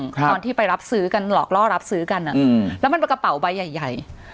ตอนที่ไปรับซื้อกันหลอกล่อรับซื้อกันแล้วมันเป็นกระเป๋าใบใหญ่